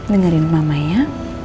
dengerin mama ya